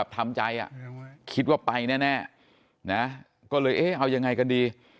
ทำใจอ่ะคิดว่าไปแน่ก็เลยเอายังไงกันดี